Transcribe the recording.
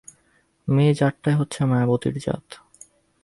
মেয়ে জাতটাই হচ্ছে মায়াবতীর জাত।